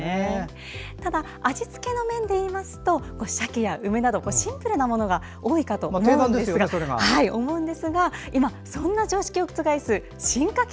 ただ、味付けの面で言いますとサケや梅などシンプルなものが多いかと思うんですが今、そんな常識を覆す進化形